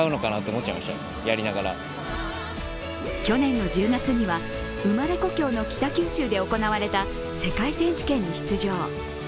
去年の１０月には生まれ故郷の北九州で行われた世界選手権に出場。